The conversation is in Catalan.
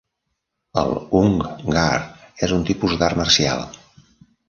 El "hung gar" és un tipus d'art marcial.